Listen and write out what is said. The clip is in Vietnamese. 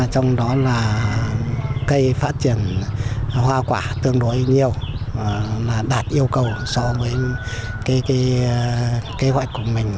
trong đó là cây phát triển hoa quả tương đối nhiều là đạt yêu cầu so với kế hoạch của mình